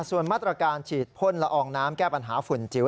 ส่วนมาตรการฉีดพ่นละอองน้ำแก้ปัญหาฝุ่นจิ๋ว